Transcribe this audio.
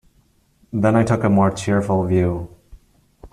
Then I took a more cheerful view.